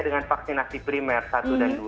dengan vaksinasi primer satu dan dua